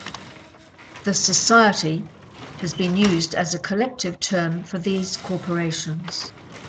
"The Society" has been used as a collective term for these corporations.